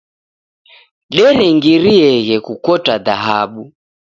Derengirieghe kukota dhahabu.